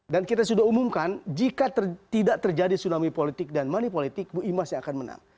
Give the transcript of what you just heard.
kita sudah umumkan jika tidak terjadi tsunami politik dan money politik bu imas yang akan menang